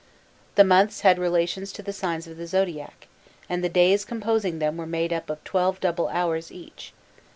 The months had relations to the signs of the zodiac, and the days composing them were made up of twelve double hours each.